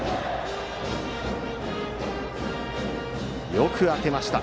よく当てました。